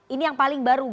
ini yang paling baru